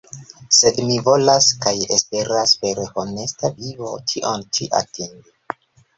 Sed mi volas kaj esperas per honesta vivo tion ĉi atingi.